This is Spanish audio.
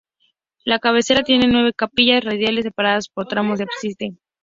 La cabecera tiene nueve capillas radiales separadas por tramos de ábside.